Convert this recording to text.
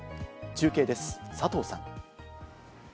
中継です、佐藤さん。